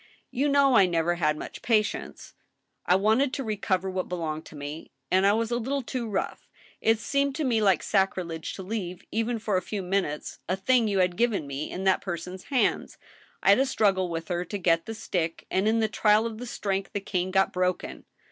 You know I never had much patience. ... I wanted to recover what belonged to me, and I was a little too rough. It seemed to me like sacrilege to leave, even for a few min utes, a thing you had given me, in that person's hands. ... I had a struggle with her to get the stick, and in the trial of strength the cane got broken.